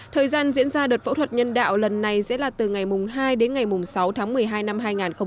thời gian diễn ra đợt phẫu thuật nhân đạo lần này sẽ là từ ngày hai đến ngày sáu tháng một mươi hai năm hai nghìn hai mươi